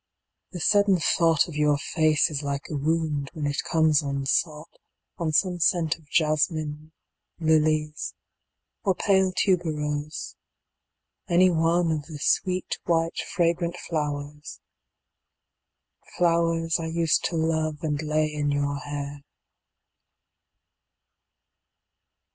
The sudden Thought of your Face is like a Wound When it comes unsought On some scent of Jasmin, Lilies, or pale Tuberose, Any one of the sw^eet white fragrant flowers. Flowers I used to love and lay in your hair.